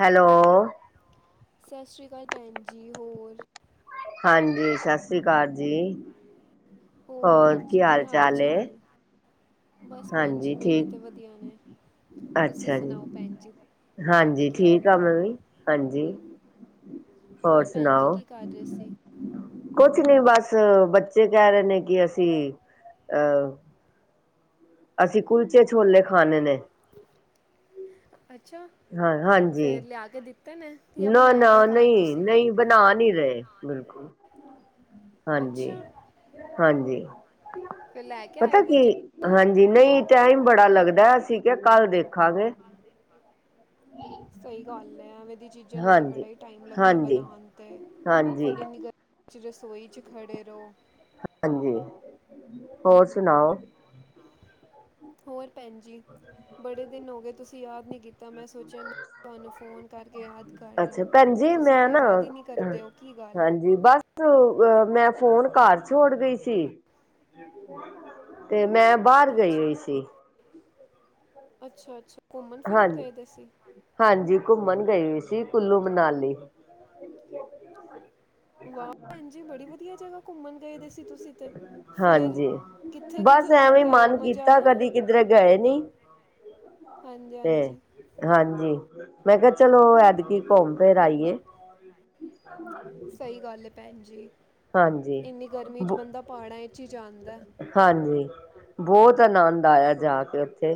Hello. ਸਤਿ ਸ਼੍ਰੀ ਅਕਾਲ ਭੈਣ ਜੀ, ਹੋਰ? ਹਾਂਜੀ ਸਤਿ ਸ੍ਰੀ ਅਕਾਲ ਜੀ, ਹੋਰ ਭੈਣ ਜੀ ਕੀ ਹਾਲ ਹਾਲ-ਚਾਲ ਐ? ਚਾਲ ਬਸ ਭੈਣ ਜੀ ਮੇਰੇ 'ਤੇ ਵਧੀਆ ਨੇ। ਤੁਸੀਂ ਅੱਛਾ ਸੁਣਾਓ ਜੀ, ਭੈਣ ਤੁਹਾਡੇ ਹਾਂਜੀ ਕੀ ਹਾਲ ਠੀਕ ਐ ਨੇ ਵੀ ਹਾਂਜੀ। ਹੋਰ ਭੈਣ ਜੀ ਸੁਣਾਓ? ਕੀ ਕਰ ਰਹੇ ਸੀ ਕੁਛ ਨੀ ਬਸ ਬੱਚੇ ਕਹਿ ਰਹੇ ਨੇ, ਕਿ ਅਸੀਂ ਅਹ। ਅਸੀਂ ਕੁਲਚੇ ਛੋਲੇ ਖਾਣੇ ਨੇ। ਅੱਛਾ, ਹਾਂ ਹਾਂਜੀ ਫੇਰ ਲਿਆ ਕੇ ਦਿੱਤੇ ਨੇ ਜਾਂ ਨਾ ਬਣਾਏ ਨੇ ਨਾ ਘਰ ਨਹੀਂ ਤੁਸੀਂ। ਨਹੀਂ ਬਣਾ ਨੀ ਰਹੇ ਬਿਲਕੁਲ ਅੱਛਾ ਹਾਂਜੀ-ਹਾਂਜੀ। ਫਿਰ ਲੈ ਕੇ ਪਤਾ ਆਇਓ ਕੀ। ਕੁਲਚੇ ਛੋਲੇ। ਹਾਂਜੀ ਨਹੀਂ ਟਾਈਮ ਬੜਾ ਲੱਗਦਾ, ਅਸੀਂ ਕਿਹਾ ਕੱਲ ਦੇਖਾਂਗੇ। ਸਹੀ ਗੱਲ ਐ ਐਵੇਂ ਦੀ ਚੀਜ਼ਾਂ ਨੂੰ ਤਾਂ ਹਾਂਜੀ ਬੜਾ ਈ ਟਾਈਮ ਲੱਗਦਾ ਹਾਂਜੀ ਬਣਾਉਣ 'ਤੇ ਹਾਂਜੀ ਫਿਰ ਇੰਨੀ ਗ ਵਿੱਚ ਰਸੋਈ 'ਚ ਖੜ੍ਹੇ ਰਹੋ। ਹਾਂਜੀ, ਹੋਰ ਸੁਣਾਓ? ਹੋਰ ਭੈਣ ਜੀ? ਬੜੇ ਦਿਨ ਹੋ ਗਏ ਤੁਸੀਂ ਯਾਦ ਨਹੀਂ ਕੀਤਾ। ਤਾਂ ਮੈਂ ਸੋਚਿਆ ਮ ਤੁਹਾਨੂੰ ਫ਼ੋਨ ਕਰਕੇ ਯਾਦ ਕਰ ਅੱਛਾ ਲਾਂ। ਭੈਣ ਜੀ ਤੁਸੀਂ ਤੇ ਯਾਦ ਹੀ ਨਹੀਂ ਕਰਦੇ ਹੋ ਕੀ ਗੱਲ? ਜਜੀ ਬਸ ਮੈਂ ਫੋਨ ਕਾਰਰ ਛੜ ਗਈ ਸੀ। ਤੇ ਮੈਂ- ਬਾਹਰ ਅ ਗਈ ਅੱਛਾ, ਹੋਈ ਸੀ ਅੱਛਾ- ਅੱਛਾ ਘੁੰਮਣ ਫਿਰਨ ਹਾਂਜੀ ਗਏ ਅ ਸੀ। ਹਾਂਜੀ, ਘੁੰਮਣ ਗਏ ਸੀ ਕੁੱਲੂ ਮਨਾਲੀ। ਵਾਹ ਭੈਣ ਜੀ ਬੜੀ ਵਧੀਆ ਜਗ੍ਹਾ ਘੁੰਮਣ ਗਏ ਦੇ ਸੀ ਤੁਸੀਂ ਤੇ ਫਿਰ ਹਾਂਜੀ ਕਿੱਥੇ ਕਿੱਥੇ ਬਸ ਘੁੰਮ ਐਵੇਂ ਕੇ ਆਏ ਹੋ ਮਨ ਮਜ਼ਾ ਕੀਤਾ ਆਇਆ ਕਦੀ ਕਿਧਰੇ ਗਏ ਨੀ। ਹਾਂਜੀ ਤੇ ਹਾਂਜੀ ਹਾਂਜੀ, ਮੈਂ ਕਿਹਾ ਚਲੋ ਐਦਕੀ ਘੁੰਮ ਫਿਰ ਆਈਏ। ਸਹੀ ਗੱਲ ਹੈ ਭੈਣ ਜੀ, ਹਾਂਜੀ ਇੰਨੀ ਗਰਮੀ 'ਚ ਬ ਬੰਦਾ ਪਹਾੜਾਂ ' ਹੀ ਜਾਂਦਾ। ਹਾਂਜੀ, ਬਹੁਤ ਆਨੰਦ ਆਇਆ ਜਾ ਕੇ ਉੱਥੇ।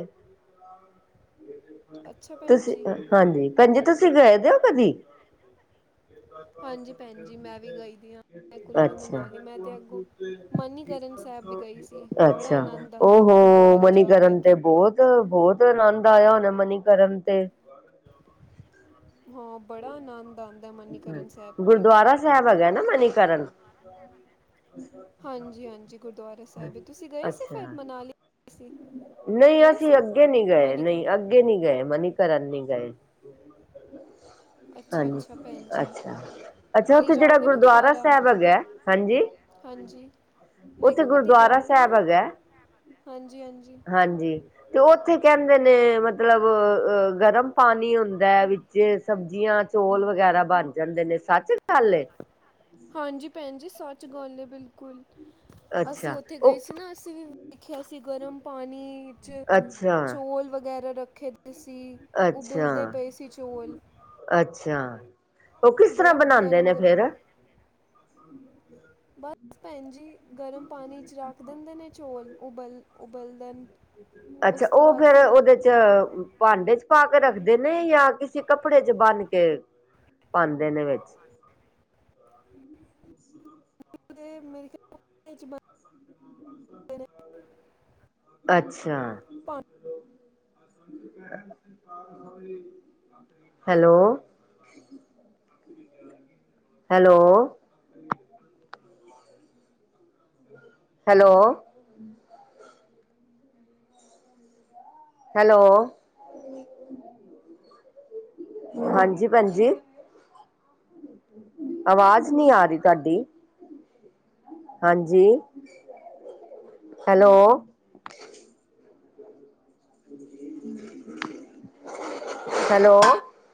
ਅੱਛਾ ਭੈਣ ਤੁਸੀਂ ਜੀ ਹਾਂਜੀ ਭੈਜੀ ਹੋ ਤੁਸੀਂ ਗਏ ਦਿ ਹੋ ਕਦੀ? [inaudible] ਹਾਂਜੀ ਭੈਣ ਜੀ, ਮੈਂ ਵੀ ਗਾਈ ਦੀ ਹਾਂ, ਮੈਂ ਕੁੱਲੂ ਅੱਛਾ ਮਨਾਲੀ ਮੈਂ ਤਾਂ ਅੱਗੋਂ ਮਾਨੀਕਰਨ ਸਾਹਿਬ ਵੀ ਗਈ ਸੀ। ਬੜਾ ਅੱਛਾ, ਆਨੰਦ ਆਉਂਦਾ ਉਹ ਗੁਰਦੁਆਰੇ ਜਾ ਕੇ ਮਨੀਕਰਨ ਤੇ ਬੋਤ- ਬਹੁਤ ਆਨੰਦ ਆਇਆ ਉਹਣ ਮਨੀਕਰਨ ਤੇ। ਹਾਂ ਬੜਾ ਆਨੰਦ ਆਉਦਾ- ਹ ਗੁਰਦੁਆਰਾ ਸਾਹਿਬ ਹੈਗਾ ਨਾ ਮਨੀਕਰਨ। ਹਾਂ ਜਜੀ ਹਾਂਜੀ -ਹਾਂਜੀ ਗੁਰਦੁਆਰਾ ਸਾਹਿਬ ਤੁਸੀਂ ਗਏ ਅੱਛਾ ਸਫੈਦ ਮਨਾਲੀ? ਗਏ ਸੀ ਨਹੀਂ, ਗਏ ਅਸੀਂ ਸੀ ਅੱਗੇ ਨਹੀਂ ਗਏ, ਮਨੀਕਰਨ ਨਹੀਂ ਅੱਗੇ- ਅੱਗੇ ਨੀ ਗਏ ਮਨੀਕਰਨ ਨੀ ਗਏ। ਅੱਛਾ ਹਾਂਜੀ ਅੱਛਾ ਭੈਣ ਜੀ ਅੱਛਾ ਅੱਛਾ ਕਦੀ ਉੱਥੇ ਜਿਹੜਾ ਜਾਓਗੇ ਨਾ ਗੁਰਦੁਆਾਰਰਾ ਦੁਬਾਰਾ ਸਾਹਿਬ ਹੈਗਾ। ਹਾਂਜੀ, ਹਾਂਜੀ ਮੈਂ ਉੱਥੇ ਕਿਹਾ ਕਦੀ ਗੁਰਦੁਆਰਾ ਜਾਓਗੇ ਸਾਹਿਬ ਨਾ ਹੈਗਾ। ਹਾਂਜੀ ਹਾਂਜੀ ਹਾਂਜੀ, ਤੇ ਉੱਥੇ ਕਹਿੰਦੇ ਨੇ ਮਤਲਬ ਅ ਗਰਮ ਪਾਣੀ ਹੁੰਦਾ ਹੈ ਵਿੱਚ- ਜੇ ਸਬਜ਼ੀਆਂ ਚੋਲ ਵਗੈਰਾ ਬਣ ਜਾਂਦੇ ਨੇ ਸੱਚ ਗੱਲ ਏ? ਹਾਂਜੀ, ਭੈਣ ਜੀ, ਸੱਚ ਗੋੱਲ ਹੈ ਬਿਲਕੁਲ। ਅਸੀਂ ਅੱਛਾ ਉੱਥੇ ਗਏ ਉਹ ਸੀ ਨਾ, ਅਸੀਂ ਵੀ ਵੇਖਿਆ ਸੀ ਗਰਮ ਪਾਣੀ ਵਿਚ ਅੱਛਾ - ਚੌਲ ਵਗੈਰਾ ਰੱਖੇ ਸੀ। ਅੱਛਾ ਉਬਲਦੇ ਪਏ ਸੀ ਚੌਲ ਅੱਛਾ ਉਹ ਕਿਸ ਤਰ੍ਹਾਂ ਬੜਾ ਬਣਾਉਂਦੇ ਗਰਮ ਨੇ ਗਰਮ ਫਿਰ? ਬਸ ਭੈਣ ਜੀ, ਗਰਮ ਪਾਣੀ ' ਰਖ ਦਨਦੇ ਨੇ ਚੌਲ ਉਬਲ ਉਬਲਦੇ ਨੇ। ਅੱਛਾ, ਉਹ ਫੇਿਰ ਉਹਦੇ- ਭਾਂਡੇ ਚ ਪਾ ਕੇ ਰੱਖਦੇ ਨੇ ਯਾ ਕਿਸੇ ਕੱਪੜੇ ਚ ਬੰਨ ਕੇ? ਪਾਉਦੇ ਨੇ ਵਿੱਚ- ਹ [inaudible] ਮੇਰੀ [inaudible] ਅੱਛਾ ਪਾਣੀ ਹੈਲੋ ਹੈਲੋ ਹੈਲੋ। ਹੈਲੋ। ਹਾਂਜੀ ਭੈਨਜੀ। ਆਵਾਜ਼ ਨੀ ਆ ਰਈ ਤੁਹਾਡੀ? ਹਾਂਜੀ ਹੈਲੋ? ਹੈਲੋ।